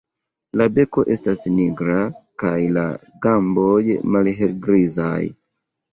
La beko estas nigra kaj la gamboj malhelgrizaj.